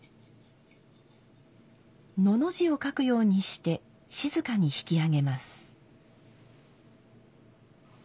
「の」の字を書くようにして静かに引き上げます。